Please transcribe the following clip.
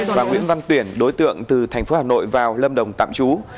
và nguyễn văn tuyển đối tượng từ tp hà nội vào lâm đồng tạm trú